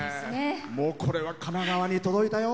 これは神奈川に届いたよ。